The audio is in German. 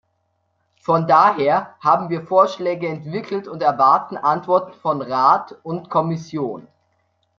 Von daher haben wir Vorschläge entwickelt und erwarten Antworten von Rat und Kommission.